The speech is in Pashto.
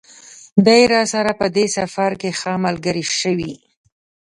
دی راسره په دې سفر کې ښه ملګری شوی.